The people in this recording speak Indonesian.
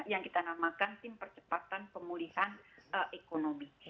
yang kita namakan tim percepatan pemulihan ekonomi